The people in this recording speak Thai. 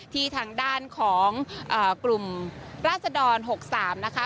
ทางด้านของกลุ่มราศดร๖๓นะคะ